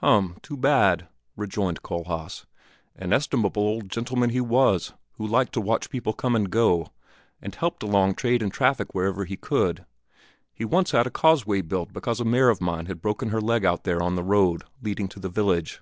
"Hum! Too bad!" rejoined Kohlhaas. "An estimable old gentleman he was, who liked to watch people come and go, and helped along trade and traffic wherever he could. He once had a causeway built because a mare of mine had broken her leg out there on the road leading to the village.